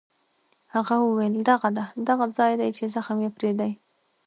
هغه وویل: دغه ده، دغه ځای دی چې زخم یې پرې دی.